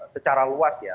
secara luas ya